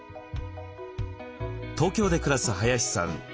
東京で暮らす林さん。